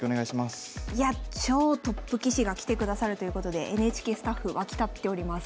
いや超トップ棋士が来てくださるということでＮＨＫスタッフ沸き立っております。